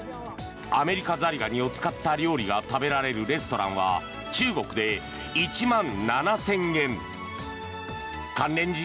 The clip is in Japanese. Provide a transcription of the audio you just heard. アメリカザリガニを使った料理が食べられるレストランは中国で１万７０００軒。